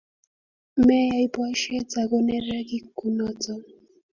meyay boishet ago neregik kunoto